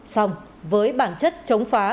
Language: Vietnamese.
xong với bản chất chống phá